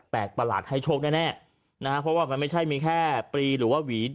ประหลาดให้โชคแน่แน่นะฮะเพราะว่ามันไม่ใช่มีแค่ปรีหรือว่าหวี